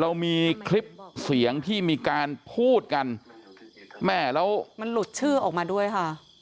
เรามีคลิปเสียงที่มีการพูดกันแม่แล้วมันหลุดชื่อออกมาด้วยค่ะ